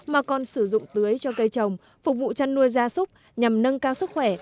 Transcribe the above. mà còn sử dụng tưới cho cây trồng phục vụ chăn nuôi gia súc nhằm nâng cao sức khỏe